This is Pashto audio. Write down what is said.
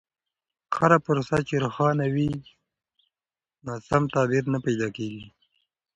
هره پروسه چې روښانه وي، ناسم تعبیر نه پیدا کوي.